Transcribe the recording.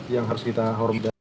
yang harus kita hormati